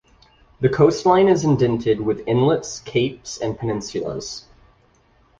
The coastline is indented with inlets, capes and peninsulas.